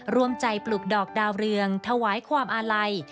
รวมใจปลูกดอกดาวเรืองถวายความอาลัย